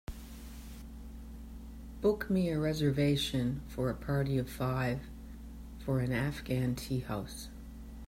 Book me a reservation for a party of five for an afghan tea house